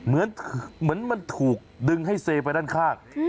เหมือนมันถูกดึงให้เซไปด้านข้าง